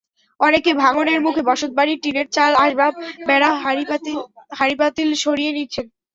অনেকে ভাঙনের মুখে বসতবাড়ির টিনের চাল, আসবাব, বেড়া, হাঁড়িপাতিল সরিয়ে নিচ্ছেন।